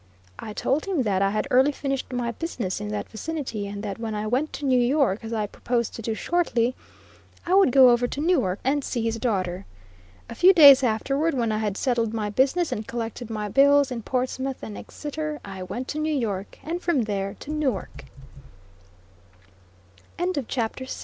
I told him that I had early finished my business in that vicinity, and that when I went to New York, as I proposed to do shortly, I would go over to Newark and see his daughter. A few days afterward, when I had settled my business and collected my bills in Portsmouth and Exeter, I went to New York, and from there to Newark. CHAPTER VII. WEDDING A WIDOW, AND